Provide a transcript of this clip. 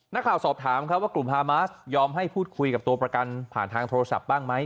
นักข่าวสอบถามครับว่ากลุ่มฮามาสยอมให้พูดคุยกับตัวประกันผ่านทางโทรศัพท์บ้างไหม